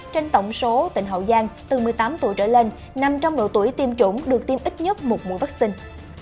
trên tổng số tỉnh hậu giang từ một mươi tám tuổi trở lên nằm trong độ tuổi tiêm chủng được tiêm ít nhất một mũi vaccine